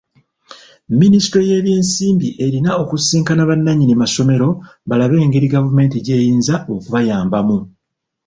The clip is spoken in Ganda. Minisitule y'ebyensimbi erina okusisinkana bannannyini masomero balabe engeri gavumenti gy'eyinza okubayambamu.